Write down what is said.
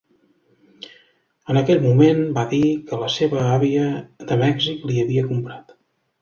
En aquell moment va dir que la seva àvia de Mèxic li havia comprat.